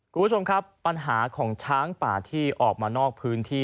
คุณผู้ชมครับปัญหาของช้างป่าที่ออกมานอกพื้นที่